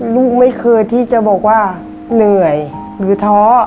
ลูกไม่เคยที่จะบอกว่าเหนื่อยหรือท้อ